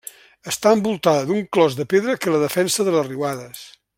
Està envoltada d'un clos de pedra que la defensa de les riuades.